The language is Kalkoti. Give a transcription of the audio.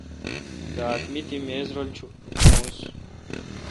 راتہ می تی میز رل چونس۔